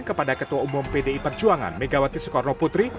kepada ketua umum pdi perjuangan megawati soekarno putri